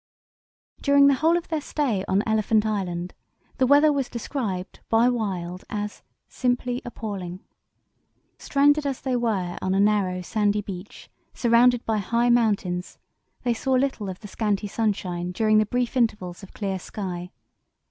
During the whole of their stay on Elephant Island the weather was described by Wild as "simply appalling." Stranded as they were on a narrow, sandy beach surrounded by high mountains, they saw little of the scanty sunshine during the brief intervals of clear sky.